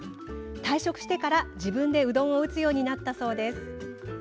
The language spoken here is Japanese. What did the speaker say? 退職してから、自分でうどんを打つようになったそうです。